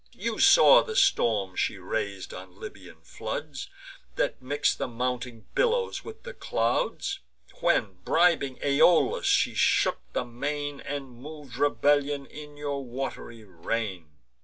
You saw the storm she rais'd on Libyan floods, That mix'd the mounting billows with the clouds; When, bribing Aeolus, she shook the main, And mov'd rebellion in your wat'ry reign.